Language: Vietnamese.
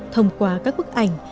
thông qua các bức ảnh